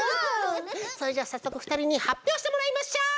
それじゃあさっそくふたりにはっぴょうしてもらいましょう！